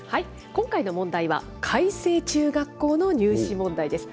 今回の問題は、開成中学校の入試問題です。